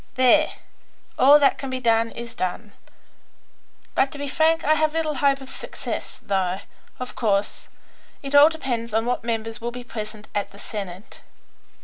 There; all that can be done is done, but, to be frank, I have little hope of success, though, of course, it all depends on what members will be present at the Senate.